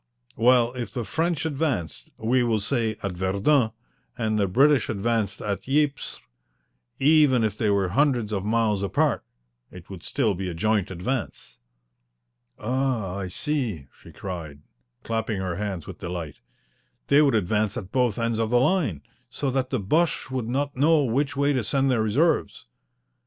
"Well, if the French advanced, we will say, at Verdun, and the British advanced at Ypres, even if they were hundreds of miles apart it would still be a joint advance." "Ah, I see," she cried, clapping her hands with delight. "They would advance at both ends of the line, so that the Boches would not know which way to send their reserves."